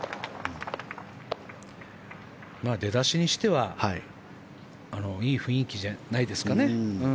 出だしにしてはいい雰囲気じゃないですかね。